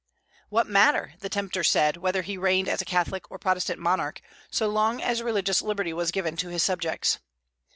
What matter, the tempter said, whether he reigned as a Catholic or Protestant monarch, so long as religious liberty was given to his subjects?